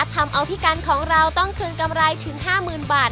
ทำเอาพี่กันของเราต้องคืนกำไรถึง๕๐๐๐บาท